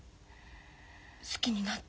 好きになった？